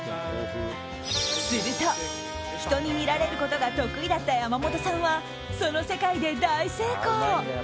すると、人に見られることが得意だった山本さんはその世界で大成功。